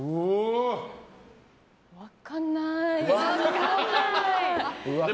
分かんない。